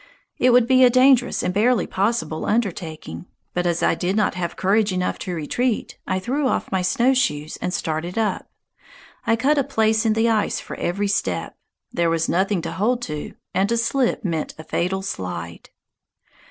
It would be a dangerous and barely possible undertaking. But as I did not have courage enough to retreat, I threw off my snowshoes and started up. I cut a place in the ice for every step. There was nothing to hold to, and a slip meant a fatal slide.